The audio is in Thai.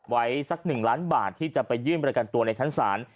ไว้สัก๑ล้านบาทที่จะไปยื่นประกันตัวในชั้นศาล